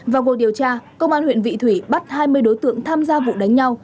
vào cuộc điều tra công an huyện vị thủy bắt hai mươi đối tượng tham gia vụ đánh nhau